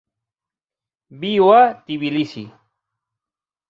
Viu a Tbilisi.